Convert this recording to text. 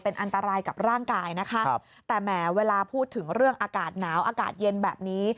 อันตรายกับร่างกายนะคะแต่แหมเวลาพูดถึงเรื่องอากาศหนาวอากาศเย็นแบบนี้